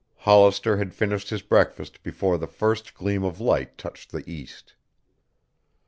Hollister had finished his breakfast before the first gleam of light touched the east.